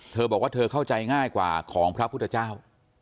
เธอบอกว่าเธอเข้าใจง่ายกว่าของพระพุทธเจ้า